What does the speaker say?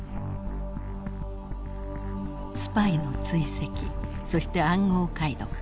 スパイの追跡そして暗号解読。